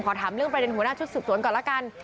ขอถามเรื่องประเด็นหัวหน้าชุดสืบสวนก่อนละกัน